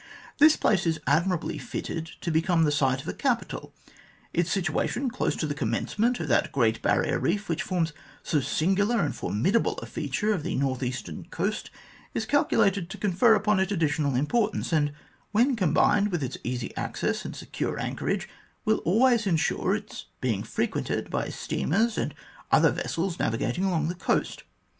This place is admirably fitted to become the site of a capital. Its situation, close to the commencement of that Great Barrier Reef which forms so singular and formidable a feature of the north eastern coast, is calculated to confer upon it additional importance, and, when combined with its easy access and secure anchorage, will always ensure its being frequented by steamers and other vessels navigating along the coast.